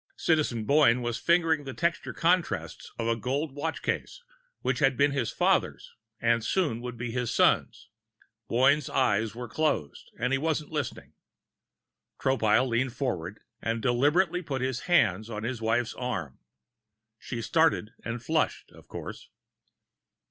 Citizen Boyne was fingering the textured contrasts of a golden watch case which had been his father's and soon would be his son's. Boyne's eyes were closed and he wasn't listening. Tropile leaned forward and deliberately put his hand on his wife's arm. She started and flushed, of course.